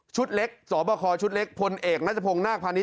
ชุดเล็กสอบคอชุดเล็กพลเอกนัชพงศ์หน้ากภัณฑ์นี้